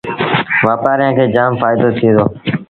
وآپآريآݩ کي جآم ڦآئيٚدو ٿئي دو